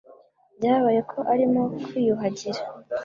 Byabaye ko arimo kwiyuhagira.